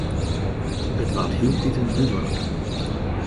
It waard hieltiten dúdliker.